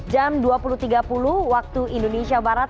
jam dua puluh tiga puluh waktu indonesia barat